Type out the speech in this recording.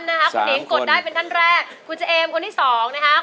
คุณนิ้งกดได้เป็นท่านแรกคุณเจเอมคนที่๒นะครับ